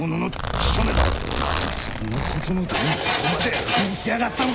あんたそんなことのためにここまでのし上がったのか！？